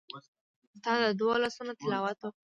ستا د دوو لاسونو تلاوت وکړ